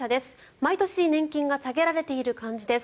毎年年金が下げられている感じです